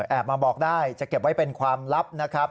มาบอกได้จะเก็บไว้เป็นความลับนะครับ